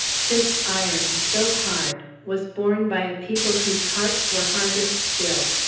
This iron, so hard, was borne by a people whose hearts were harder still.